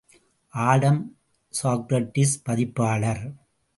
Adam Socrates பதிப்பாளர்.